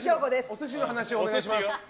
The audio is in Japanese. お寿司の話をお願いします。